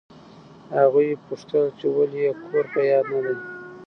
هغوی پوښتل چې ولې یې کور په یاد نه دی.